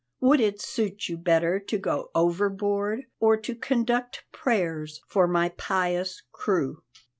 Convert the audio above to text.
Would it suit you better to go overboard or to conduct prayers for my pious crew?"